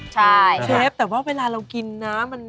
ใช่ครับเชฟแต่ว่าเวลาเรากินน้ำ